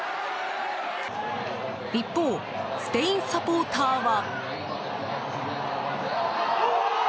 一方、スペインサポーターは。